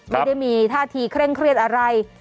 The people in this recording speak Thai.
ไม่ได้มีท่าทีเคร่งเครียดอะไร